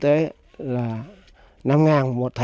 thế là năm một thẻ